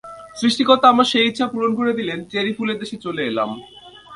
সৃষ্টিকর্তা আমার সেই ইচ্ছা পূরণ করে দিলেন, চেরি ফুলের দেশে চলে এলাম।